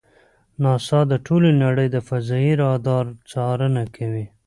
ناسا د ټولې نړۍ د فضایي رادار څارنه کوي.